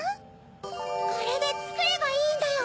これでつくればいいんだよ！